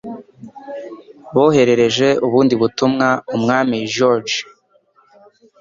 Boherereje ubundi butumwa Umwami George.